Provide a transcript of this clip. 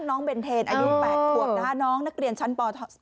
น้องเบนเทนอดิฉป๘ควบน้องนักเรียนชั้นป๒